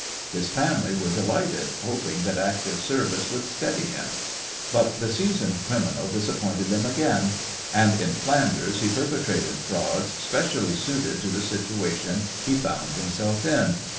His family were delighted, hoping that active service would "steady" him. But the seasoned criminal disappointed them again, and in Flanders he perpetrated frauds specially suited to the situation he found himself in.